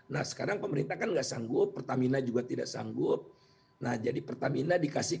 nah sekarang pemerintah kan nggak sanggup pertamina juga tidak sanggup nah jadi pertamina dikasih